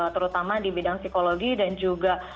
terutama di bidang psikologi dan juga